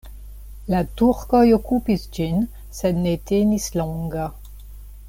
La turkoj okupis ĝin, sed ne tenis longa.